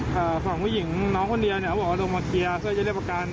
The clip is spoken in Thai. แล้วก็ฝั่งผู้หญิงน้องคนเดียวบอกว่าโดนมาเคลียร์เพื่อจะเรียกประกัน